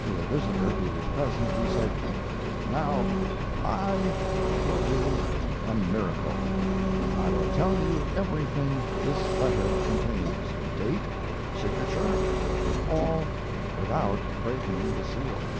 To a visitor who was present he said: "Now I will do a miracle. I will tell you everything this letter contains date, signature, and all without breaking the seal."